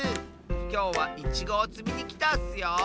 きょうはイチゴをつみにきたッスよ！